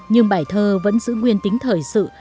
nhưng bài thơ vẫn giữ nguyên tính thời sự